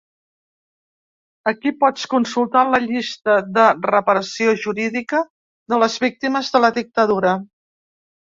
Aquí pots consultar la llista de reparació jurídica de les víctimes de la dictadura.